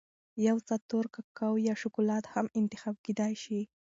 یو څه تور کاکاو یا شکولات هم انتخاب کېدای شي.